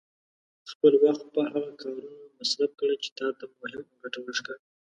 خپل وخت په هغه کارونو مصرف کړه چې تا ته مهم او ګټور ښکاري.